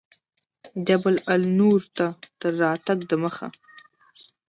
جبل النور ته تر راتګ دمخه.